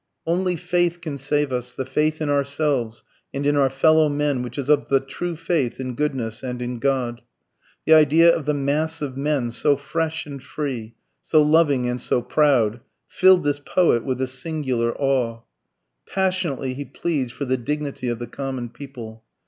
Only faith can save us, the faith in ourselves and in our fellow men which is of the true faith in goodness and in God. The idea of the mass of men, so fresh and free, so loving and so proud, filled this poet with a singular awe. Passionately he pleads for the dignity of the common people.